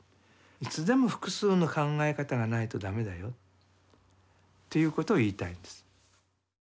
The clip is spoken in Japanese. いつでも複数の考え方がないとダメだよっていうことを言いたいんです。